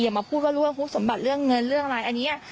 มาพูดว่ารู้ว่าฮุบสมบัติเรื่องเงินเรื่องอะไรอันนี้